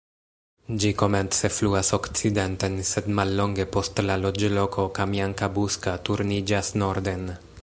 Ĝi komence fluas okcidenten, sed mallonge post la loĝloko Kamjanka-Buska turniĝas norden.